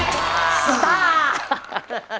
สตาร์